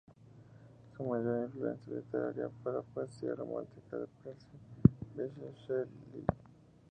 Su mayor influencia literaria fue la poesía romántica de Percy Bysshe Shelley.